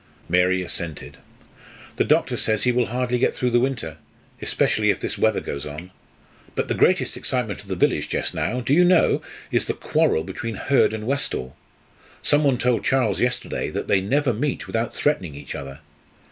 Mary assented. "The doctor says he will hardly get through the winter, especially if this weather goes on. But the greatest excitement of the village just now do you know? is the quarrel between Hurd and Westall. Somebody told Charles yesterday that they never meet without threatening each other.